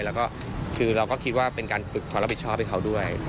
แล้วก็คือเราก็คิดว่าเป็นการฝึกความรับผิดชอบให้เขาด้วย